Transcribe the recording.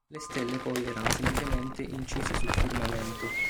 Le stelle, poi, erano semplicemente incise sul firmamento.